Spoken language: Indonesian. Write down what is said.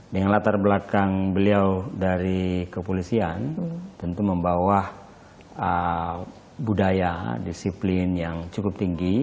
dengan latar belakang beliau dari kepolisian tentu membawa budaya disiplin yang cukup tinggi